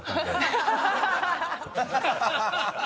ハハハッ。